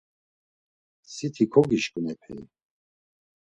Siti kogişǩun epei!